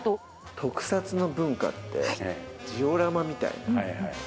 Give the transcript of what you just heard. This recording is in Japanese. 特撮の文化ってジオラマみたいな。